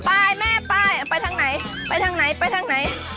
ไปแม่ป้ายไปทางไหนไปทางไหนไปทางไหน